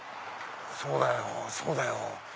そうだよそうだよ！